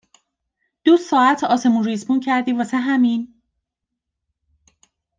دو ساعت آسمون ریسمون کردی واسه همین؟